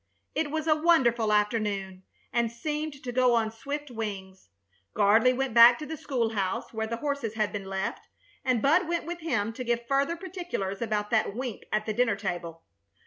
It was a wonderful afternoon, and seemed to go on swift wings. Gardley went back to the school house, where the horses had been left, and Bud went with him to give further particulars about that wink at the dinner table.